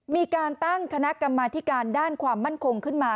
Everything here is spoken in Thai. มีการตั้งคณะกรรมาธิการด้านความมั่นคงขึ้นมา